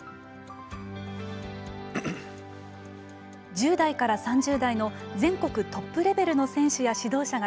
１０代から３０代の全国トップレベルの選手や指導者が参加。